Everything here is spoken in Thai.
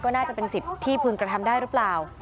น่าจะเป็นสิทธิ์ที่พึงกระทำได้หรือเปล่า